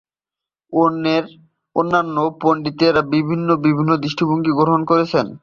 অন্যান্য পণ্ডিতেরা ভিন্ন ভিন্ন দৃষ্টিভঙ্গি গ্রহণ করেছেন।